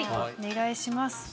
お願いします。